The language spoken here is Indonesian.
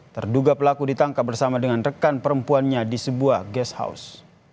terduga pelaku ditangkap bersama dengan rekan perempuannya di sebuah guest house